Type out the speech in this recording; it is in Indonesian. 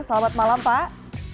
selamat malam pak